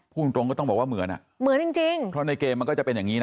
พูดตรงก็ต้องบอกว่าเหมือนอ่ะเหมือนจริงจริงเพราะในเกมมันก็จะเป็นอย่างนี้นะ